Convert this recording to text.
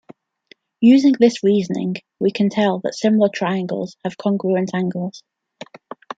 Using this reasoning we can tell that similar triangles have congruent angles.